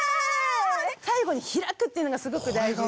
最後に開くっていうのがすごく大事で。